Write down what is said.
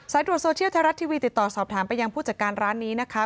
ตรวจโซเชียลไทยรัฐทีวีติดต่อสอบถามไปยังผู้จัดการร้านนี้นะคะ